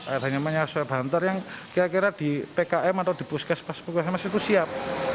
ada yang namanya swab hunter yang kira kira di pkm atau di puskes pas pukul enam masih siap